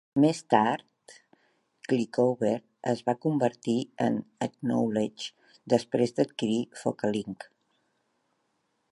Més tard, ClickOver es va convertir en Adknowledge després d'adquirir Focalink.